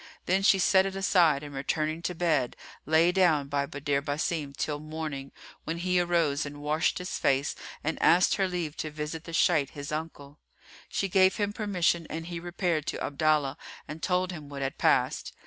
Then she set it aside and returning to bed, lay down by Badr Basim till morning when he arose and washed his face and asked her leave to visit the Shaykh his uncle. She gave him permission and he repaired to Abdallah and told him what had passed.